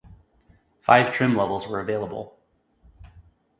Five trim levels were available.